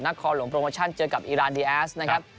คอหลวงโปรโมชั่นเจอกับอีรานดีแอสนะครับ